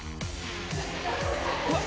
うわっ！